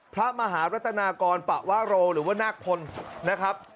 พระมหารัตนากรปะวะโรหรือว่านาคพลนะครับ